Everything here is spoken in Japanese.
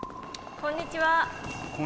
こんにちは。